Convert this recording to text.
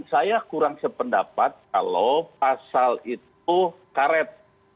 saya kurang sependapat kalau pasal itu karet